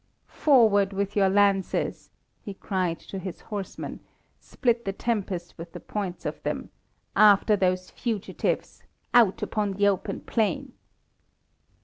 "Forward with your lances!" he cried to his horsemen. "Split the tempest with the points of them! After those fugitives! Out upon the open plain!"